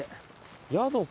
宿か。